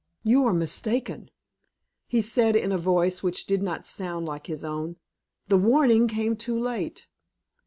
"You are mistaken," he said in a voice which did not sound like his own, "the warning came too late.